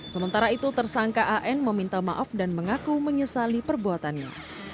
sementara itu tersangka an meminta maaf dan mengaku menyesali perbuatannya